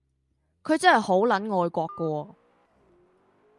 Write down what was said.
佢真係好撚愛國㗎喎